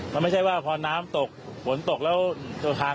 มันไม่ใช่ว่าพอน้ำตกฝนตกแล้วตัวทาง